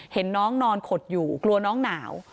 เห็นน้องนอนขดอยู่กลัวน้องหนาว